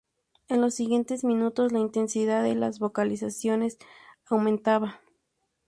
En los siguientes minutos, la intensidad de las vocalizaciones aumentaba.